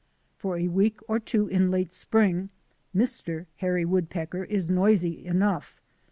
For a week or two in late spring Mr. Hairy Woodpecker is noisy enough.